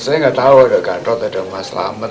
saya gak tau ada gadot ada mas lamat